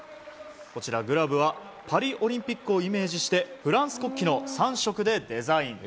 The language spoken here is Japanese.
グラブはパリオリンピックをイメージしてフランス国旗の３色でデザイン。